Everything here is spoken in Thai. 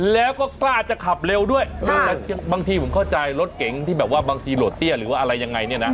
แล้วก็กล้าจะขับเร็วด้วยบางทีผมเข้าใจรถเก๋งที่แบบว่าบางทีโหลดเตี้ยหรือว่าอะไรยังไงเนี่ยนะ